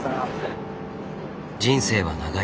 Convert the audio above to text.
人生は長い。